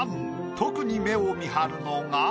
特に目をみはるのが。